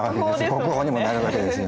国宝にもなるわけですよね。